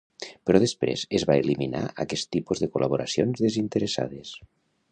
Però després es va eliminar aquest tipus de col·laboracions desinteressades